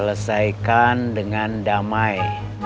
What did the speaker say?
selesaikan dengan damai